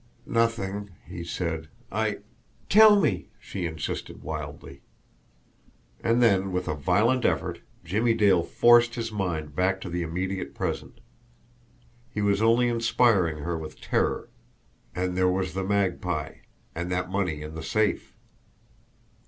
"Nothing," he said. "I " "TELL me!" she insisted wildly. And then, with a violent effort, Jimmie Dale forced his mind back to the immediate present. He was only inspiring her with terror and there was the Magpie and that money in the safe!